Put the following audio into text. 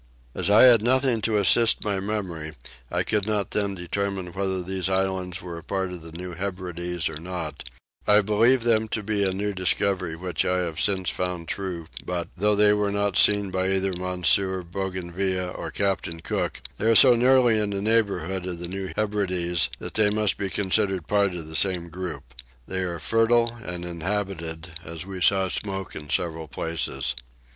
As I had nothing to assist my memory I could not then determine whether these islands were a part of the New Hebrides or not: I believe them to be a new discovery which I have since found true but, though they were not seen either by Monsieur Bougainville or Captain Cook, they are so nearly in the neighbourhood of the New Hebrides that they must be considered as part of the same group. They are fertile and inhabited, as I saw smoke in several places.